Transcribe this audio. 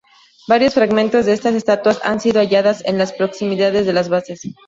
Varios fragmentos de estas estatuas han sido hallados en las proximidades de las bases.